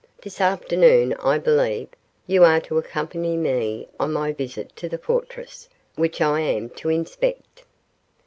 This afternoon, I believe, you are to accompany me on my visit to the fortress, which I am to inspect."